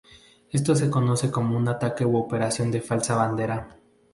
Esto se conoce como ataque u operación de falsa bandera.